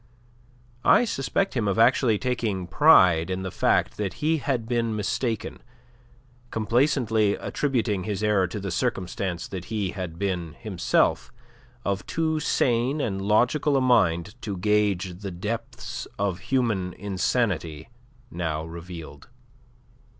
I suspect him of actually taking pride in the fact that he had been mistaken, complacently attributing his error to the circumstance that he had been, himself, of too sane and logical a mind to gauge the depths of human insanity now revealed.